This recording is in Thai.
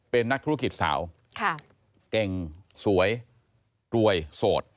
เป็นนักธุรกิจสาวเก่งสวยรวยโสด